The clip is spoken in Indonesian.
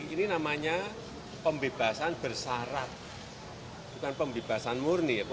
ini namanya pembebasan bersarat bukan pembebasan murni